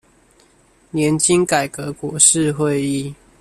年金改革國是會議